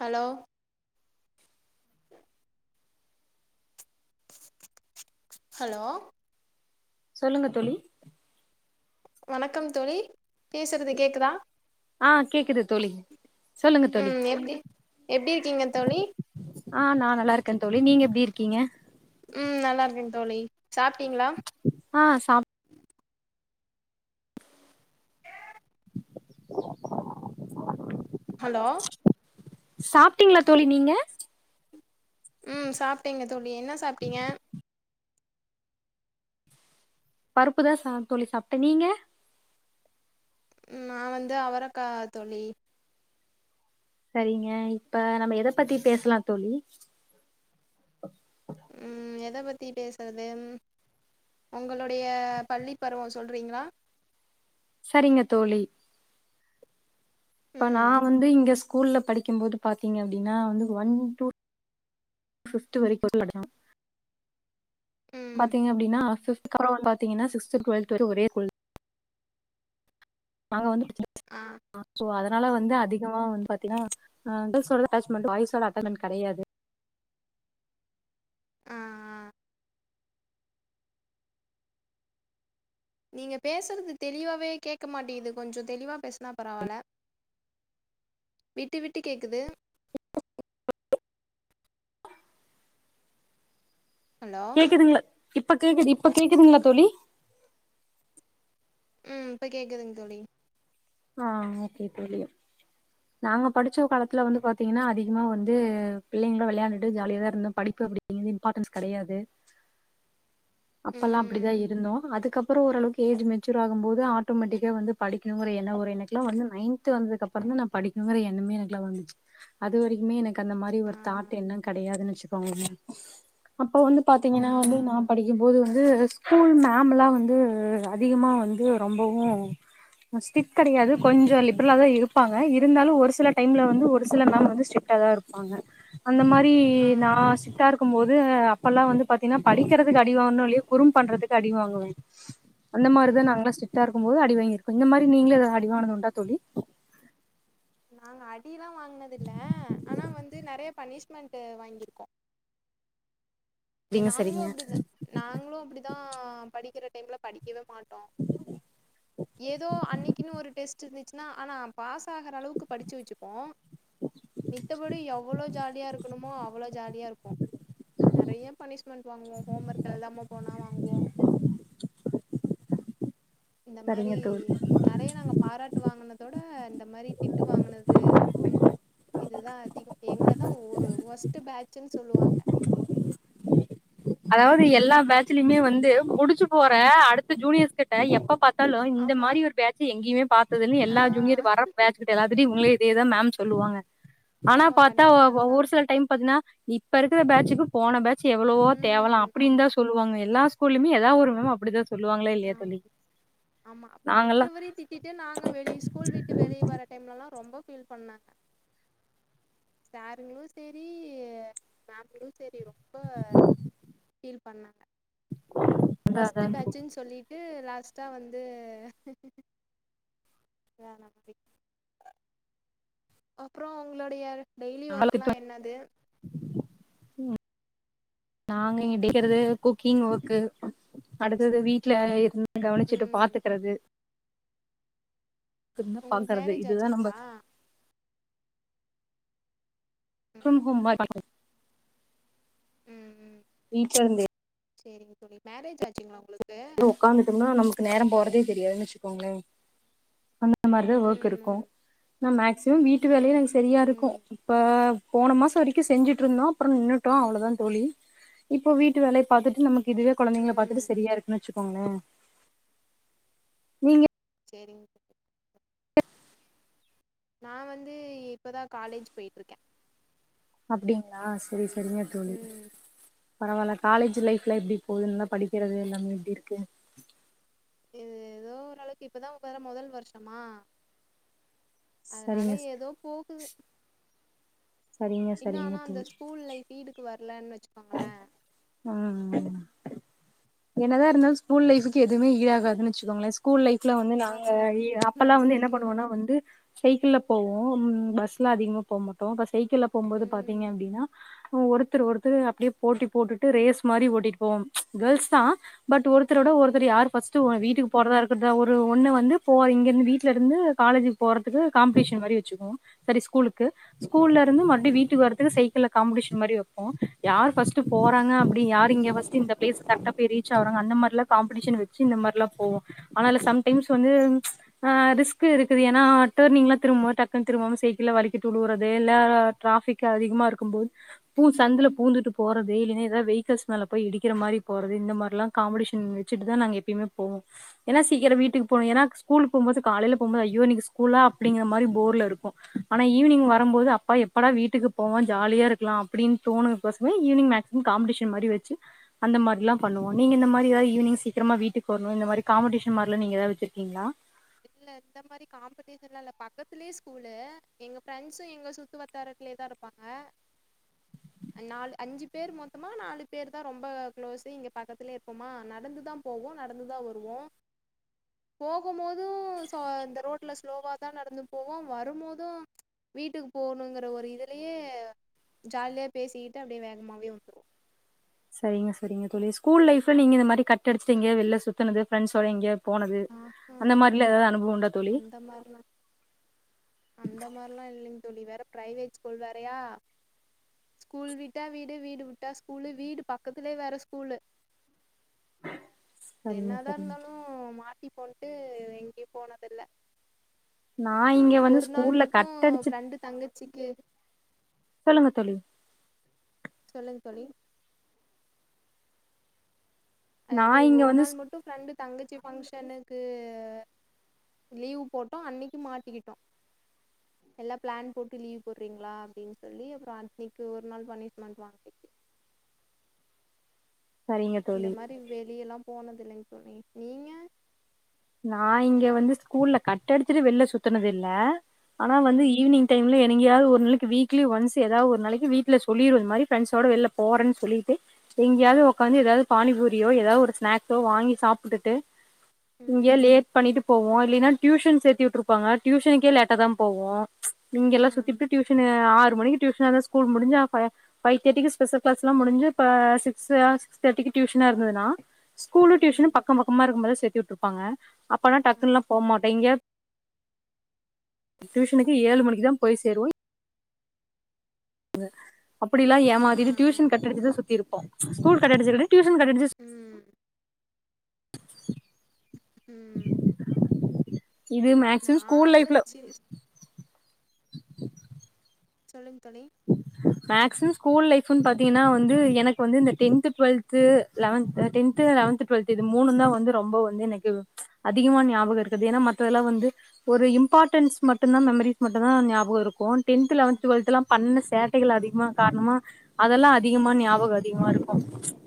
hello hello சொல்லுங்க தோழி வணக்கம் தோழி பேசுறது கேக்குதா ஆஹ் கேக்குது தோழி சொல்லுங்க தோழி ம் எப்டி எப்டி இருக்கீங்க தோழி ஆ நான் நல்லாருக்கேன் தோழி நீங்க எப்டி இருக்கீங்க ம் நல்லாருக்கேன் தோழி சாப்பிட்டீங்களா ஆ சாப் ஹலோ சாப்ட்டீங்களா தோழி நீங்க ம் சாப்ட்டேங்க தோழி என்ன சாப்ட்டீங்க பருப்புதான் ச தோழி சாப்ட்டேன் நீங்க ம் நா வந்து அவரக்கா தோழி சரிங்க இப்ப நம்ம எத பத்தி பேசலாம் தோழி ம் எத பத்தி பேசுறது உங்களுடைய பள்ளிப் பருவம் சொல்றீங்களா சரிங்க தோழி இப்ப ம் நான் வந்து இங்க கூல்ல படிக்கம்போது பாத்தீங்க அப்டின்னா வந்து ஒன் டூ ஃபிஃப்த்து வரைக்கு படிச்சா ம் பாத்தீங்க அப்டினா பிஃப்த்க்கப்றம் பாத்தீங்கன்னா சிக்ஸ்த் டு டுவெல்த் வரைக்கும் ஒரே ஸ்கூல் நாங்க வந்துட்டு [unintelligible] ஆ சோ அதனால வந்து அதிகமா வந்து பாத்தீங்ன்னா [unintelligible] கேள்ஸ்வோட அட்டாச்மெண்டு பாய்ஸ்வோட அட்டாச்மெண்டு கெடயாது ஆ ஆ நீங்க பேசுறது தெளிவாவே கேட்க மாட்டிகிது கொஞ்சம் தெளிவா பேசுனா பரவால விட்டு விட்டு கேட்குது ஹலோ கேக்குதுங்களா இப்ப கேக்குது இப்ப கேக்குதுங்களா தோழி ம் இப்ப கேக்குதுங்க தோழி ஆ ஓகே தோழி நாங்க படிச்ச காலத்துல வந்து பாத்தீங்கன்னா அதிகமா வந்து பிள்ளைங்களோட விளையாண்டுட்டு ஜாலியா தா இருந்தோம் படிப்பு அப்டி அங்க இம்பார்டன்ஸ் கெடயாது [inaudible] அப்பெல்லா அப்டிதா ம் இருந்தோ அதுக்கப்புறோ ஓரளவுக்கு ஏஜ் மெச்சூர் ஆகும் போது ஆட்டோமேட்டிக்கா வந்து படிக்கணுங்கிற ஒரு எண்ணோ வர் இப்ப எனக்குல்லா வந்து நைன்த்து வந்ததுக்கப்புறந்தா நா படிக்குனுங்கிற எண்ணமே எனக்குல்லா வந்துச்சு அது வரைக்குமே எனக்கு அந்த மாரி ஒரு ஆ தாட் என்ன கடையாதுன்னு வச்சுக்கோங்களே அப்போ வந்து ஆ பாத்தீங்கன்னா வந்து நா படிக்கும்போது வந்து ஸ்கூல் மேம்முலா வந்து அதிகமாக வந்து ரொம்பவு பஸ்ட் இட் கெடயாது கொஞ்சோ லிப்ரலாதா இருப்பாங்க இருந்தாலு ஒரு சில டைம்ல வந்து ஒரு சில மேம் வந்து ஸ்ரிட்டாதா இருக்கு பண்ண அந்த மாரி ஆ நா ஸ்ரிட்டா இருக்கும் போது அப்பெல்லா வந்து பாத்தீங்ன்னா படிக்றதுக்கு அடிவாங்குறன்னோ இல்லையோ குறும் பண்றதுக்கு அடிவாங்குவ அந்த மாரிதா ம் நாங்களா ஸ்ரிக்டா இருக்கும்போது அடிவாங்கிருக்கோ இந்த மாரி நீங்களு அடிவாங்னது உண்டா தோலி நாங்க அடில்லா வாங்கனது இல்ல ஆனா வந்து நெறைய பனிஷ்மெண்ட் வாங்கிர்க்கோ ஏ சரிங்க நாங்களு சரிங்க அப்டிதா நாங்களு அப்டிதா படிக்கிற டைம்ல படிக்கவே மாட் டோ ஏதோ அன்னிக்கினு ஒரு டெஸ்ட் இருந்துச்சுன்னா ஆனா பாஸ் ஆகுற அளவுக்கு படுச்சு வச்சுப்போ மித்தபடி எவளோ ஜாலியா இருக்கணுமோ அவளோ ஜாலியா இருப்போ நறைய பனிஷ்மெண்ட் வாங்குவோ ஹோம் ஒர்க் எல்தாம போனா வாங்குவோ இந்த மாரி சரிங்க தோழி நெறைய நாங்க பாராட்டு வாங்கனதவிட இந்த மாரி திட்டு வாங்கனது இதுதா அதிகோ எங்களதா ஒரு வொர்ஸ்ட் டு பேச்சுன்னு சொல்லுவாங்க அதாவ்து எல்லா பேச்சலயுமே வந்து முடிஞ்சு போற அடுத்த ஜூனியர்ஸ் கிட்ட எப்ப பாத் தாலு இந்த ஆமா மாரி ஒரு பேட்ச்சு எங்கேயுமே பார்த்ததுன்னு ஆ எல்லா ஜூனியர் வர பேட்ச் கிட்ட எல்லாத்டயு இவுங்ளே அதேதா மேம் சொல்லுவாங்க ஆனா ஆமா பாத்தா கண்டிப்பா அதுதா ஒரு சில டைம் பாத்தீன்னா இப்ப இருக்குற பேட்ச்க்கு போன பேட்ச் எவ்ளவோ ம் ஆமா சொல்லுவாங்க எல்லா ஸ்கூல்லயுமே ஏதா ஒரு மேம் அப்டிதா சொல்லுவாங்களா இல்லயா ஆமா தோலி நாங்கல்லா திட்டிட்டே நாங்க வெளி ஸ்கூல் விட்டு வெளிய வர டைம்லல்லா ரொம்ப ஃபீல் பண்ணங்க சாருங்களு சேரி மேமுங்களு சேரிரும் ரொம்ப ஃபீல் பண்ணாங்க அதா அதா ஃபஸ்ட்டு பேச்சுன்னு சொல்லிட்டு லாஸ்ட்டா வந்து அப்றோ உங்களோடைய டெய்லி வொர்க்குலா நாங்க என்னது நாங்க இடிக்றது குக்கிங் வொர்க்கு அடுத்தது வீட்ல இருந் கவனிச்சுட்டு ம் பாத்துக்றது உங்களுக்கு துப்புபாக்றது மேரேஜ் இதுதா ஆச்சுங்களா நம்ப ம் [inaudible] ம் ம் வீட்லருந்தே செரிங்க தோலி மேரேஜ் ஆச்சுங்ளா உங்ளுக் ஒக்காந்துட்டம்னா நமக்கு நேரம் போறதே தெரியாதுன் வெச்சுக்கோங்ளே இந்த மாரிதா வொர்க் ம் இருக்கு ம் நா மேக்சிமம் வீட்டு வேலையே என்கு செரியா இருக்கு ம் இப்ப போன மாச வரைக்கு செஞ்சுட்ருந்தோ அப்றம் நின்னுட்டோ அவ்ளோதா தோழி இப்ப வீட்டு வேலைய பாத்துட்டு நம்ம இதுவே கொழந்தைங்ள ம் பாத்துட்டு சரியா இருக்குன்னு வச்சுக்கோங்ளே நீங்க சேரிங்க நா வந்து இப்பதா காலேஜ் பேய்ட்ருக்கே அப்டிங்ளா செரி செரிங்க தோலி ம் பரவால்ல காலேஜ் லைஃப்ல எப்டி போது என்ன படிக்றது எல்லாமே எப்டி இருக்கு ம் ஏதோ ஓரளவுக்கு இப்பதா வேற மொதல் வருஷமா அதனால சரிங்க ஏதோ போகுது சரிங்க சரிங்க இன்னவொன்னு அந்த தோழி ஸ்கூல்ல லீடுக்கு வரலனு வச்சுக்கோங்ளே ஆ என்னதா இருந்தாலு ஸ்கூல் லைஃபுக்கு எதுமே ஈடாகாதுன்னு வச்சுக்கோங்ளே கூல் ஃலைப்ல வந்து நாங்க ஆமா அப்பெல்லா அது வந்து என்ன பண்ணுவோனா உண்மதா வந்து சைக்கிள்ள போவோ ம் பஸ்ல அதிகமா போ மா ப்றன இப்ப சைக்கிள்ள போம்போது ம் பாத்தீங்க அப்டின்னா ஒருத்தர் ஒருத்தர் அப்டியே போட்டி போட்டுட் ரேஸ் மாரி ஓட்டிட்டுப்போவோம் கேர்ள்ஸ் தா பட் ஒருத்தரோட ஒருத்தர் யார் வீட்டுக்கு ம் போறதா இரு டுதா ஒரு ஒண்ணு வந்து போ இங்கெருந்து வீட்ல இருந்து காலேஜுக்கு போறதுக்கு காம்படிஷன் மாரி வெச்சுக்குவோ சரி ஸ்கூலுக்கு ஆ ஸ்கூல்ல இருந்து மறுபடி வீட்டுக்கு வரத்துக்கு சைக்கிள்ள காம்படிஷன் மாரி வைப்போ யார் ஃபர்ஸ்ட்டு க்காங்க அப்டி யார் இங்க ஃபர்ஸ்ட்டு இந்த பிளேஸ் கரக்டா போய் ரீச் ஆவுறாங்க அந்த மார்லா காம்படிஷன் வச்சு இந்த மார்லா போவோ ஆனாலு சம்டைம்ஸ் வந்து ஆ ரிஸ்கு இருக்குது ஏன்னா டர்னிங்லா திரும்பும்போ டக்குன்னு திரும்பாம சைக்கிள் வழுக்கிட்டு விழுவுறது இல்லா டிராபிக் அதிகமா இருக்கும் போது பூ சந்துல பூந்துட்டு போறது இல்லேன்னா அத வெஹிகில்ஸ் மேல போய் இடிக்கிற மாரி போறது இந்த மார்லா காம்படிஷன் வச்சுட்டுதா நாங்க எப்பிமே போவோ ஏன்னா சீக்கிர வீட்டுக் போணு ஏன்னா ஸ்கூலுக்கு போம்போது காலைல போம்போது ஐயோ இன்னைக்கு ஸ்கூலா அப்டிங்க மாரி போர்ல இருக்கு ஆனா ஈவினிங் வரும்போது அப்பா எப்படா வீட்டுக்கு போவ ஜாலியா இப்போ இருக்குலா அப்டின் தோணதுக்கோசமே ஈவினிங் மேக்சிமம் காம்படிஷன் மாரி வெச்சு அந்த மாரிலா பண்ணுவோ நீங்க இந்த மாரி ஏதாவது ஈவினிங் சீக்கிரமா வீட்டுக் வர்ணு இந்த மாரி காம்படிஷன் மார்லா நீங்க ஏதாவது வச்சிருக்கீங்ளா இல்ல இந்த மாரி காம்படிஷன்லா இல்ல பக்கத்துலயே ஸ்கூலு எங்க ஃப்ரெண்ட்ஸு எங்க சுத்து வட்டாரத்துலயேதா இருப் பாங்க நால் அஞ்சு பேர் மொத்தமா நாலு பேர் தா ரொம்ப க்ளோஸு இங்க பக்கத்துலயே இருப்போமா நடந்து தா போவோ நடந்துதா வருவோ போகும்போ ஊ சோ இந்த ரோட்ல ஸ்லோவா தா நடந்து போவோ வரும்போது வீட்டுக்கு போகணுங்குற ஒரு இதுலயே ஜாலியா பேசிக்கிட்டு அப்டியே வேகமாவே வந்துருவோ சரிங்க சரிங்க தோழி ஸ்கூல் லைஃப்ல நீங்க இந்த மாரி கட் அடிச்சிட்டு எங்கெயா வெளில சுத்துனது ஃபிரண்ட்ஸோட எங்கெயா போனது ஆஹா அந்த மாரிலா எதா அனுபவ உண்டா தோழி அந்த மாரிலா அந்த மார்லா இல்லிங் தோழி வேற பிரைவேட் ஸ்கூல் வேறையா ஸ்கூல் விட்டா வீடு வீடு விட்டா ஸ்கூலு வீடு பக்கத்துலேயே வேற ஸ்கூலு சரிங்க என்ன தா சரிங்க இருந்தாலு மாட்டி போம்ட்டு எங்கேயு போனதில்ல நா இங் ஒரு நாள் மட்டு ஃப்ரெண்டு தங்கச்சிக்கு சொல்லுங்க தோழி சொல்லுங் தோழி நா அது இங்க ஒரு வந்து நாள் மட்டு ஃப்ரெண்டு தங்கச்சி ஃபங்க்ஷனுக்கு லீவ் போட்டோ அன்னைக்கி மாட்டிக்கிட்டோ எல்லா பிளான் போட்டு லீவ் போட்றீங்ளா அப்டின்னு சொல்லி அப்பறோ அனிக்கு ஒரு நாள் பனிஷ்மெண்ட் வாங்க சரிங்க தோழி வெளியல்லா போனது இல்லங் தோழி நீங்க நா இங்க வந்து ஸ்கூல்ல கட்டடிச்சிட்டு வெளில சுத்தனது இல்ல ஆனா வந்து ம் ஈவினிங் டைம் இல்ல எனக்கியாது ஒரு நாளைக்கு வீக்லி ஒன்ஸ் ஏதா ஒரு நாளைக்கு வீட்டுல சொல்லிரு இந்த மாரி ஃபிரண்ட்ஸ்ஸோட வெளில போறேன்னு சொல்லிட்டு எங்கேயாது உக்காந்து ஏதாது பானிபூரியோ ஏதா ஒரு ஸ்நாக்ஸோ வாங்கி சாப்புட்டுட்டு இங்கயே ம் லேட் பண்ணிட்டு போவோ இல்லைன்னா டியூஷன் சேர்த்தி விட்டுருப்பாங்க டியூஷனுக்கே லேட்டா தா போவோ இங்க எல்லா ம் சுத்திட்டு டியூஷன் ஆறு மணிக்கு டியூஷன் இருந்தா ஸ்கூல் முடிஞ்சு அ ஃப ஃபைவ் தேர்டிக்கு ஸ்பெஷல் கிளாஸ்லா முடிஞ்சி ப சிக்சு சிக்ஸ் தேர்டி டியூஷனா இருந்ததுனா ஸ்கூலு ம் டியூஷனு பக்க பக்கமா இருக்கும்பதா சேத்து விட்ருப்பாங்க அப்பனா டக்குன்ல்லா ஆ போகமாட் இங்க டியூஷனுக்கு ஏழு மணிக்கு தா போய் சேருவோ து அப்டிலா ஆ ஏமாத்திட்டு டியூஷன் கட்டடிச்சிதா சுத்திருப்போ ஸ்கூல்கட்டடிச்சதுடியு டியூஷன் கட் கடிச்சு ம் ம் இது மேக்சிமம் நான் ஸ்கூல் லைஃப்ல அதெல்லாம் சி சொல்லுங் தோழி மேக்சிமம் ஸ்கூல் லைஃபுனு பாத்தீங்கன்னா வந்து எனக்கு வந்து இந்த tenth twelfth eleventh tenth eleventh twelfth இது மூனு தா வந்து ரொம்ப வந்து எனக்கு அதிகமா ஞாபக இருக்குது ஏனா மத்ததெல்லா வந்து ஒரு இம்பார்ட்டன்ஸ் மட்டு தா மெமரிஸ் மட்டுதா ஞாபக இருக்கு டென்த் லெவன்த் டுவெல்த்லா பண்ண சேட்டைகள் அதிகமா காணமா அதெல்லா அதிகமா ஞாபக அதிகமா இருக்கு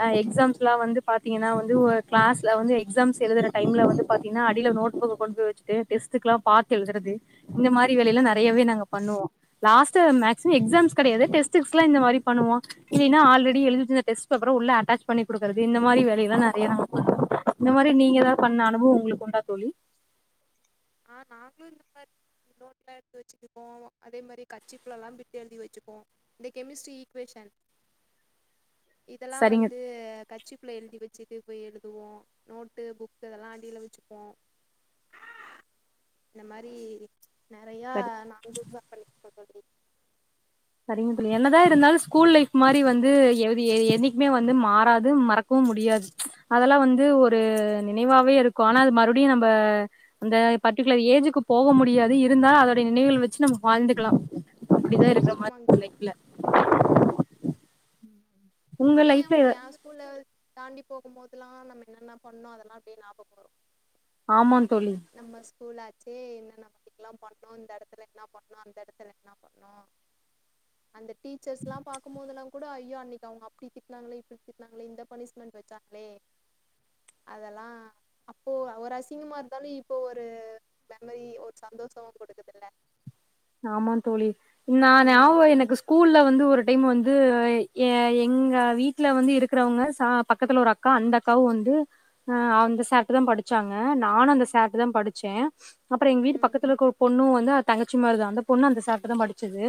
அ எக்ஸாம்ஸ்ல்லா வந்து பாத்தீங்கன்னா வந்து ஒரு கிளாஸ்ல வந்து எக்ஸாம்ஸ் எழுதுற டைம்ல வந்து பாத்தீங்ன்னா அடியில நோட் புக் கொண்டு போய் வச்சுட்டு டெஸ்டுக்குலா பாத்து எழுதுறது இந்த மாரி வேலைல்லா நெறையாவே நாங்க பண்ணுவோ லாஸ்ட் மே எக்ஸாம்ஸ் கெடையாது டெஸ்ட்டிஸ்ல இந்த மாரி பண்ணுவ இல்லைனா ஆல்ரெடி எழுதிட்டு இந்த டெஸ்ட் பேப்பரா உள்ள அட்டாச் பண்ணி குடுக்குறது இந்த மாதிரி வேலையல்லா நெறைய நாங்க பண்ணோ இந்த மாரி நீங்க எதா பண்ண அனுபவோ ஒங்ளுக்கு உண்டா தோழி ஆ நாங்களு இந்த மாரி நோட்லா எடுத்து வச்சிட்டு போவோ அதே மாரி கச்சிப்ளலா பிட்டு எழுதி வச்சிப்போ இந்த கெமிஸ்ட்ரி ஈக்குவேஷன் இதெல்லா சரிங்க வந்து கச்சிப்புள்ள எழுதி வச்சுட்டு போய் எழுதுவோ நோட்டு புக்கு அதெல்லா அடியில வச்சுப்போ இந்த மாரி நிறையா சரி நாங்களு பண்ணிருக்கோ தோழி சரிங்க தோழி என்னதா இருந்தாலு ஸ்கூல் லைஃப் மாரி வந்து எழுதி ஏ என்னிக்குமே வந்து மாறாது மறக் க்கு முடியாது அதெல்லா வந்து ஒரு நினைவாவே இருக்கு ஆனா அது மறுடியு நம்ம அந்த பர்டிகுலர் ஏஜுக்கு போக முடியாது இருந்தாலு அதோடைய நினைவுகள் வச்சு நமக்கு வாழ்ந்துக்கலா அப்டித்தா இருக்குற ஆமாங்க தோழி மாதிரி கண்டிப்பாக [inaudible] நானுயே லைஃப்ல ஏ ஸ்கூல்ல தாண்டி போகும்போதெல்லா நம்ம என்னென்ன பண்ணோ அதெல்லா அப்டியே ஞாபக வரு ஆமா தோழி நம்ம ஸ்கூலாச்சே என்னன்ன [inaudible] பண்ணோ இந்த எடத்துல என்னா பண்ணோ அந்த எடத்துல என்னா பண்ணோ நோ அந்த டீச்சர்ஸ்லா பாக்கும்போதுல்லா கூட ஐயோ அன்னைக்கு அவுங்க அப்டி திட்டினாங்களே இப்டி திட்டினாங்களே இந்த பனிஷ்மெண்ட் வச்சாங்களே அதெல்லா அப்போ ஒரு அசிங்கமா தோழி இப்ப ஒரு தன்னை ஒரு சந்தோஷ குடுக்குதுல ஆமா தோழி நா ஞாவ ம் எனக்கு ஸ்கூல்ல வந்து ஒரு டைம் வந்து ஏ எங்க வீட்ல வந்து இருக்கிறவங்க ச பக்கத்துல ஒரு அக்கா அந்த அக்காவு வந்து ஆ அந்த சார்ட்ட தா படிச்சாங்க நானு அந்த சார்ட்ட தா படிச்சே அப்புறோ எங்க வீட்டு ம் பக்கத்துல இருக்க ஒரு பொண்ணு வந்து அ தங்கச்சி மாரிதா அந்த பொண்ணு அந்த சார்ட தா படிச்சது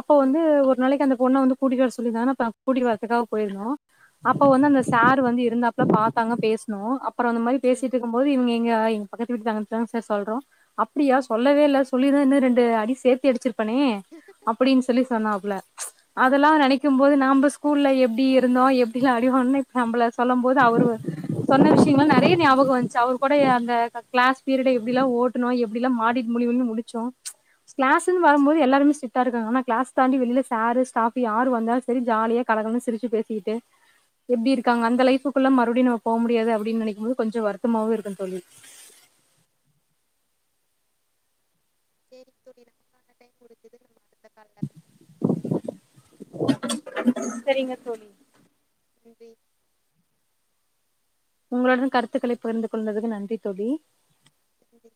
அப்போ வந்து ம் ஒரு நாளைக்கு அந்த பொண்ண வந்து கூட்டிட்டு வர சொல்லிந்தானே அ கூட்டி வரதுக்காக போயிருந்தோ அப்ப வந்து ம் அந்த சார் வந்து இருந்தாப்ல பாத்தாங்க பேசுணோ அப்றோ அந்த மாரி ம் பேசிட்டு போது இவிங்க இங்க எங்க பக்கத்து வீட்டுதாங்கதா சார் சொல்றோ அப்டியா சொல்லவே இல்ல சொல்லிர்ந்தா இன்ன ரெண்டு ரெண்டு அடி சேர்த்து அடிச்சிருப்பேனே அப்டின்னு சொல்லி சொன்னாப்புல அதெல்லா ம் நெனக் க்கும்போது நாம ஸ்கூல்ல எப்டி இருந்தோ எப்டி அடிவாங்னோ இப்ப நம்ல சொல்லம்போது அவரு சொன்ன விஷயங்கலா நெறையா ஞாபக வன்ச்சு அவர் கூட ஏ அந்த கிளாஸ் பீரியட எப்டிலா ஓட் த்துனோ எப்டில்லா மாடிட்டு முழி முழினு முழிச்சோ கிளாஸுன் வரம்பது எல்லாருமே ஸ்டிக்டா இருக்காங்க ஆனா கிளாஸ் தாண்டி வெள்ல சாரு ஸ்டாஃபு யார் வந்தாலு சரி ஜாலியா கலகலனு சிரிச்சி பேசிட்டு எப்டி இருக்காங்க அந்த லைஃப்க்குள்ள மறுபடியு நம்ம போ முடியாது அப்டின்னு நெனைக்கும் போது கொஞ்சோ வருத்தமாவே இருக்கு தோழி சரி தோழி நமக்கான டைம் முடிஞ்சது நம்ம அடுத்த கால்ல பே செரிங்க தோழி [inaudible] உங்களுடன் கருத்துக்களை புகிர்ந்து கொள்வதுக்கு நன்றி தோழி நன்றி